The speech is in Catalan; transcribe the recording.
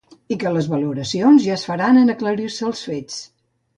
I que les valoracions ja es faran en aclarir-se els fets.